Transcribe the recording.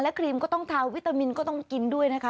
ครีมก็ต้องทาวิตามินก็ต้องกินด้วยนะคะ